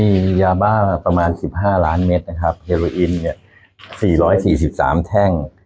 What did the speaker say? มียาบ้าประมาณ๑๕ล้านเมตรนะครับเฮโรออินเนี่ย๔๔๓แท่ง